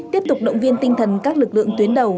tiếp tục động viên tinh thần các lực lượng tuyến đầu